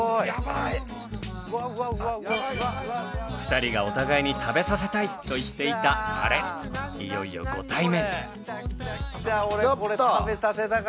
２人がお互いに食べさせたいと言っていたあれいよいよご対面。